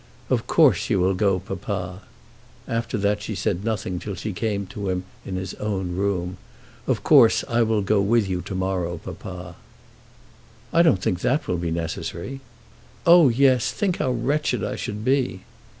"Of course you will go, papa." After that, she said nothing till she came to him in his own room. "Of course I will go with you to morrow, papa." "I don't think that will be necessary." "Oh, yes. Think how wretched I should be."